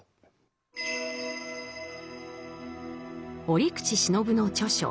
折口信夫の著書